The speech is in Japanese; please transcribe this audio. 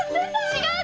違う！